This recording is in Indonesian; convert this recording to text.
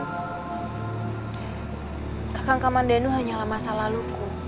kakang kakang mandano hanyalah masa laluku